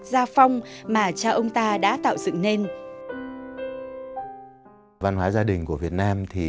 gia phong mà cha ông ta đã tạo dựng nên